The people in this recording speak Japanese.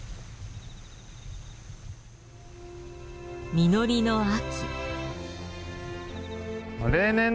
実りの秋。